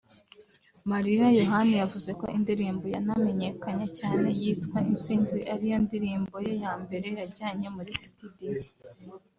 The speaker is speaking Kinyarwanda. Mariya Yohana yavuze ko indirimbo yanamenyekanye cyane yitwa `Intsinzi’ ari yo ndirimbo ye ya mbere yajyanye muri sitidiyo